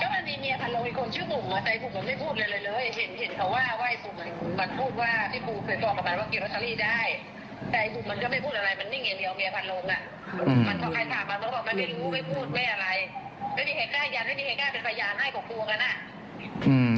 ก็มีเมียพันลงมีคนชื่อปุ๋มแต่ปุ๋มเขาไม่พูดเลยเลยเลย